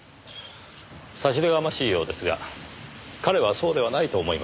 差し出がましいようですが彼はそうではないと思います。